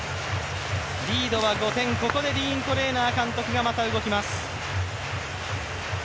リードは５点、ここでディーン・トレーナー監督がまた動きます。